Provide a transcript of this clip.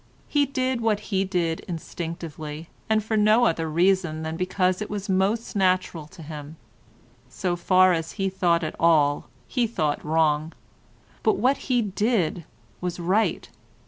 He did what he did instinctively and for no other reason than because it was most natural to him. So far as he thought at all, he thought wrong, but what he did was right.